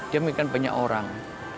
dia memiliki banyak orang